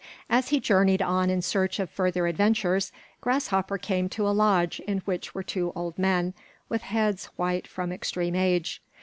As he journeyed on in search of further adventures, Grasshopper came to a lodge in which were two old men, with heads white from extreme age.